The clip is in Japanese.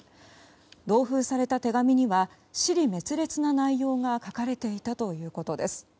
同封された手紙には支離滅裂な内容が書かれていたということです。